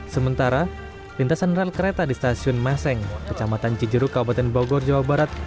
sementara lintasan rel kereta di stasiun meseng kecamatan cijeruk kabupaten bogor jawa barat